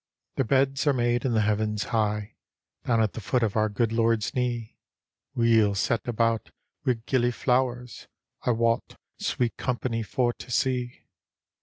"" Their beds are made in the heavens high, Down at the foot of our good Lord's knee, Weel set about wi' gillyflowers ; I wot, sweet company for to see.